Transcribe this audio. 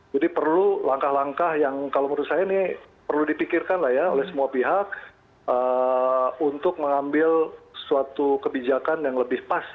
jadi perlu langkah langkah yang kalau menurut saya ini perlu dipikirkan oleh semua pihak untuk mengambil suatu kebijakan yang lebih pas